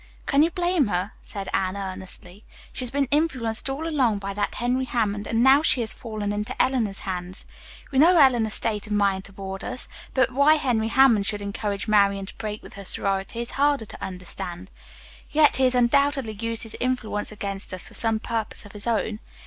"Can you blame her?" said Anne earnestly. "She has been influenced all along by that Henry Hammond, and now she has fallen into Eleanor's hands. We know Eleanor's state of mind toward us, but why Henry Hammond should encourage Marian to break with her sorority is harder to understand. Yet he has undoubtedly used his influence against us for some purpose of his own.